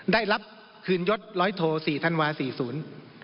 ได้รับคลื่นยดร้อยโทษ๔ธันวาคม๔๐